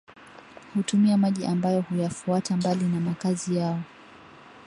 Hutumia maji ambayo huyafuata mbali na makazi yao